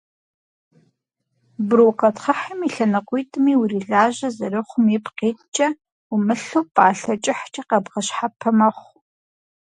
Брукъэтхъыхьым и лъэныкъуитӏми урилажьэ зэрыхъум ипкъ иткӏэ, умылъу пӏалъэ кӏыхькӏэ къэбгъэщхьэпэ мэхъу.